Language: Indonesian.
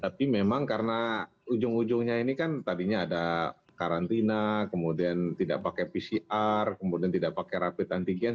tapi memang karena ujung ujungnya ini kan tadinya ada karantina kemudian tidak pakai pcr kemudian tidak pakai rapid antigen